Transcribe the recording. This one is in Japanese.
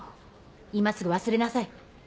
今すぐ忘れなさい。